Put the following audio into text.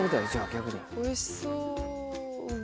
おいしそううわ。